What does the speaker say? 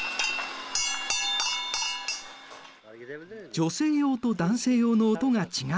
女性用と男性用の音が違う。